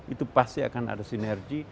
itu pasti akan ada sinergi